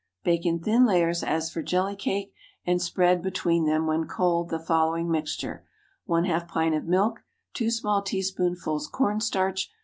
Bake in thin layers as for jelly cake, and spread between them, when cold, the following mixture:— ½ pint of milk. 2 small teaspoonfuls corn starch.